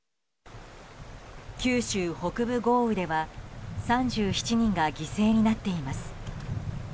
九州北部豪雨では３７人が犠牲になっています。